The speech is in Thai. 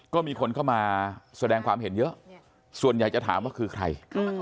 ก็มีคนเข้ามาแสดงความเห็นเยอะส่วนใหญ่จะถามว่าคือใคร